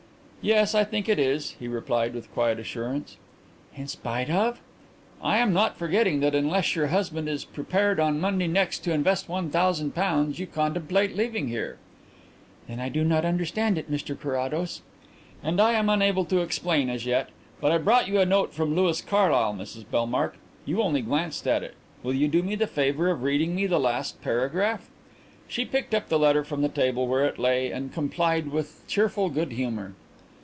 "Yes; I think it is," he replied, with quiet assurance. "In spite of ?" "I am not forgetting that unless your husband is prepared on Monday next to invest one thousand pounds you contemplate leaving here." "Then I do not understand it, Mr Carrados." "And I am unable to explain as yet. But I brought you a note from Louis Carlyle, Mrs Bellmark. You only glanced at it. Will you do me the favour of reading me the last paragraph?" She picked up the letter from the table where it lay and complied with cheerful good humour.